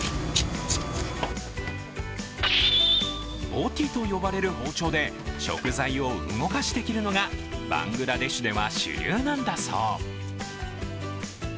ボティと呼ばれる包丁で食材を動かして切るのがバングラデシュでは主流なんだそう。